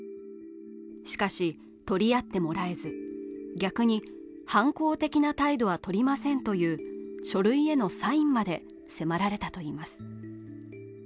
しかし、取り合ってもらえず、逆に反抗的な態度はとりませんという書類へのサインまで迫られたといいます。